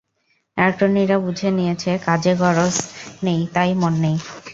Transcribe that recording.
অ্যাটর্নিরা বুঝে নিয়েছে, কাজে গরজ নেই তাই মন নেই।